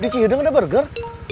di cih hideng ada burger